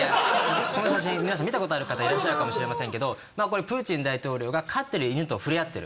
この写真皆さん見たことある方いらっしゃるかもしれませんけどこれプーチン大統領が飼ってる犬と触れ合ってる。